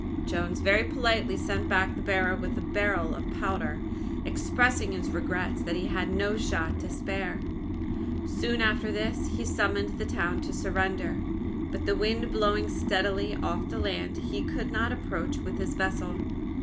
Jones very politely sent back the bearer with a barrel of powder expressing his regrets that he had no shot to spare. Soon after this, he summoned the town to surrender, but the wind blowing steadily off the land, he could not approach with his vessel.